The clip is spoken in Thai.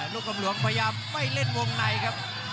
ลูกกำหลวงพยายามไม่เล่นวงในครับ